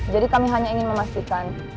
jadi kami hanya ingin memastikan